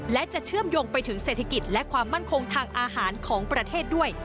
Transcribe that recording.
และจะเชื่อมโยงไปถึงเศรษฐกิจและความมั่นคงทางอาหารของประเทศด้วย